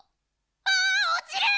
あおちる！